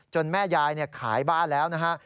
แม่ยายขายบ้านแล้วนะฮะ